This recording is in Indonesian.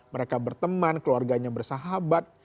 mereka berteman keluarganya bersahabat